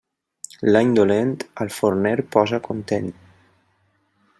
L'any dolent, al forner posa content.